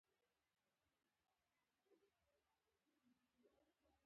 پيکيټي پانګې مهم شکل غورځولی.